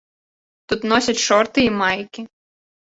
Тут носяць шорты і майкі.